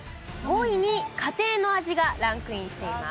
５位に家庭の味がランクインしています。